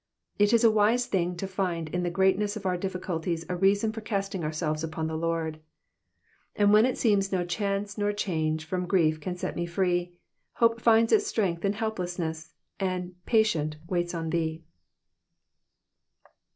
It is a wise thing to find in the greatness of our difficulties a reason for casting ourselves upon the Lord. " And when it seems no chance nor change From jrrief can set me free, Hope flnd8 its strenf^h In helplessness, And, patient, waits on thee.''